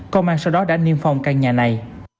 công an sau đó đã niêm phong căn nhà này